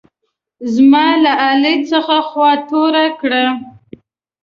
زما له علي څخه خوا توره کړه.